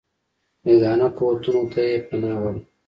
بېګانه قوتونو ته یې پناه وړې.